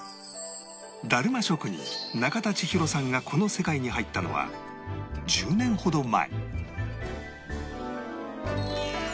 だるま職人中田千尋さんがこの世界に入ったのは１０年ほど前